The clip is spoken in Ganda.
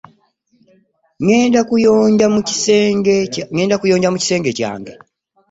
Ngenda kuyonja mu kisenge kyange.